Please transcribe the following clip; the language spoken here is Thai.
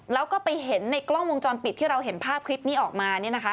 แล้วก็ไปเห็นในกล้องวงจรปิดที่เราเห็นภาพคลิปนี้ออกมาเนี่ยนะคะ